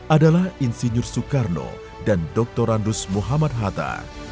adalah insinyur soekarno dan doktorandus muhammad hatta